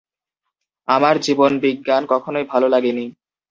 আমার জীবনবিজ্ঞান কখনই ভালো লাগেনি।